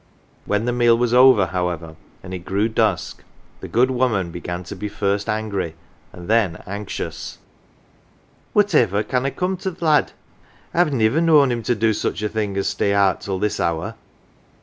1 ' When the meal was over, however, and it grew dusk, the good woman began to be first angry, and then anxious. " Whaiiv er can have come to th' lad ? I've niver known him to do such a thing as stay out till this hour.